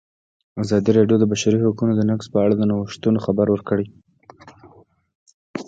ازادي راډیو د د بشري حقونو نقض په اړه د نوښتونو خبر ورکړی.